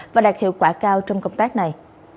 và đạt hiệu quả cao trong công tác này